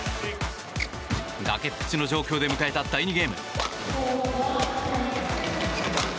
崖っぷちの状況で迎えた第２ゲーム。